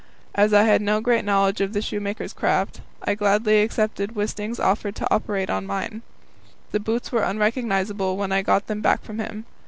As I had no great knowledge of the shoemaker's craft, I gladly accepted Wisting's offer to operate on mine. The boots were unrecognizable when I got them back from him.